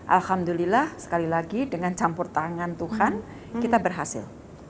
alhamdulillah sekali lagi dengan campur tangan tuhan kita berhasil